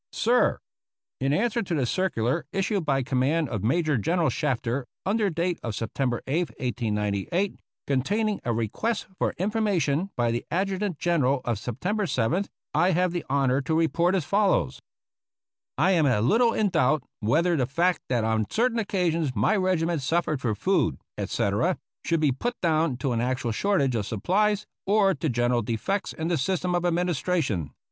Sir : In answer to the circular issued by command of Major General Shafter under date of September 8, 1898, containing a request for information by the Adjutant General of September 7th, I have the honor to report as follows : I am a little in doubt whether the fact that on certain occasions my regiment suffered for food, etc., should be put down to an actual shortage of supplies or to general defects in the system of administration.